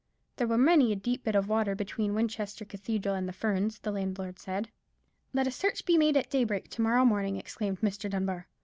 There was many a deep bit of water between Winchester Cathedral and the Ferns, the landlord said. "Let a search be made at daybreak to morrow morning," exclaimed Mr. Dunbar.